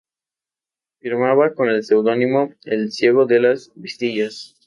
Firmaba con el seudónimo "el Ciego de las Vistillas".